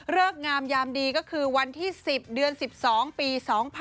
งามยามดีก็คือวันที่๑๐เดือน๑๒ปี๒๕๖๒